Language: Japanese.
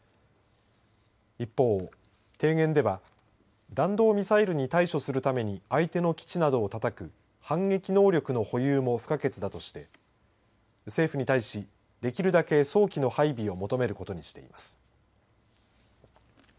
一方、提言では弾道ミサイルに対処するために相手の基地などをたたく反撃能力の保有も不可欠だとして政府に対しできるだけ早期の配備を求めることにしています。